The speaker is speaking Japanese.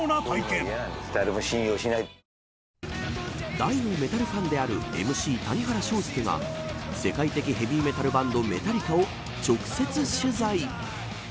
大のメタルファンであるＭＣ谷原章介が世界的ヘヴィメタルバンドメタリカを直接取材。